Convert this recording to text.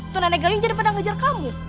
tuh nenek gayung jadi pada ngejar kamu